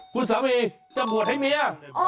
คุณสามีจะบวชให้เมีย